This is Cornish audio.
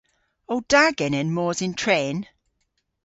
O da genen mos yn tren?